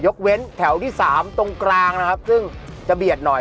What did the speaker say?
เว้นแถวที่สามตรงกลางนะครับซึ่งจะเบียดหน่อย